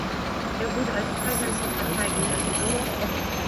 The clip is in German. Er wurde als kaiserlicher Parteigänger genannt.